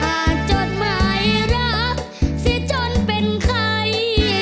จดหมายรักเสียจนเป็นใคร